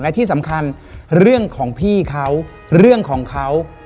และที่สำคัญเรื่องของพี่เขาเรื่องของเขา